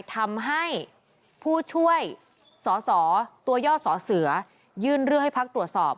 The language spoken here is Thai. ทำให้ผู้ช่วยสอสอตัวย่อสอเสือยื่นเรื่องให้พักตรวจสอบ